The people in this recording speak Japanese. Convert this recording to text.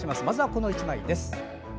まずはこの１枚です。